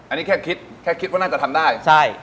อันนี้แค่คิดแค่คิดว่าน่าจะทำได้ใช่